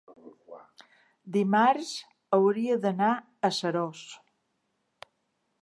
dimarts hauria d'anar a Seròs.